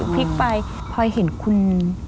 พลิกไปพอยเห็นคุณ